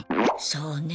そうね。